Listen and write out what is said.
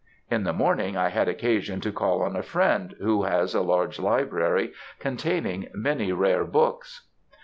In the morning I had occasion to call on a friend, who has a large library containing many rare books.